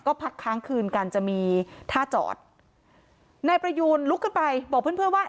ก็พักค้างคืนกันจะมีท่าจอดนายประยูนลุกขึ้นไปบอกเพื่อนเพื่อนว่า